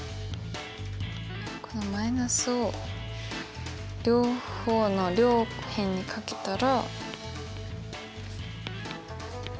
このマイナスを両方の両辺にかけたら。